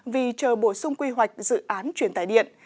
vì chờ bổ sung quy hoạch dự án truyền tải điện